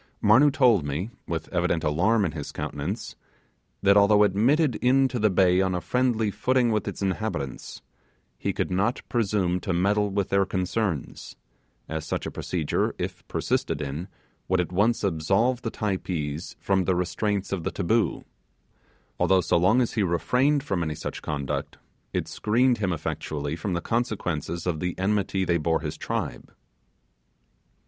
Marnoo told me with evident alarm in his countenance, that although admitted into the bay on a friendly footing with its inhabitants, he could not presume to meddle with their concerns, as such procedure, if persisted in, would at once absolve the Typees from the restraints of the 'taboo', although so long as he refrained from such conduct, it screened him effectually from the consequences of the enmity they bore his tribe.